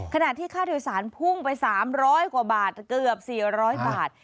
ขณะที่ค่าโดยสารพุ่งไป๓๐๐กว่าบาทเกือบ๔๐๐บาท